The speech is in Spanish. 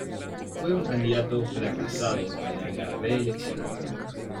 Fue un candidato fracasado para la reelección.